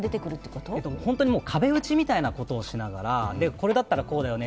本当に壁打ちみたいなことをしながら、これだったらこうだよね、